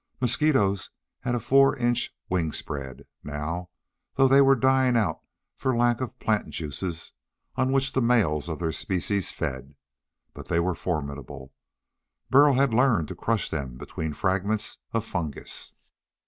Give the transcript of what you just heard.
Mosquitoes had a four inch wing spread, now, though they were dying out for lack of plant juices on which the males of their species fed. But they were formidable. Burl had learned to crush them between fragments of fungus.